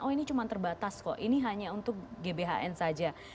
oh ini cuma terbatas kok ini hanya untuk gbhn saja